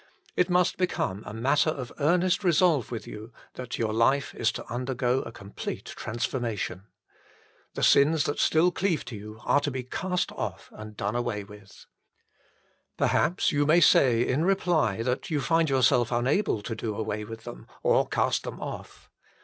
It must become a matter of earnest resolve with you that your life is to HOW IT IS TO BE FOUND BY ALL 157 undergo a complete transformation. The sins that still cleave to you are to be cast off and done away with. Perhaps you may say in reply that you find yourself unable to do away with them or cast them off.